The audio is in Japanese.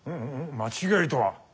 間違いとは？